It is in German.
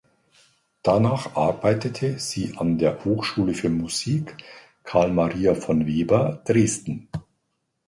Danach arbeitete sie an der Hochschule für Musik Carl Maria von Weber Dresden.